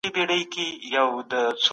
د لږکیو ساتنه د ډیموکراسۍ اصلي ازموینه ده.